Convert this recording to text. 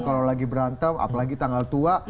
kalau lagi berantem apalagi tanggal tua